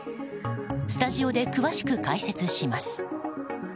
スタジオで詳しく解説します。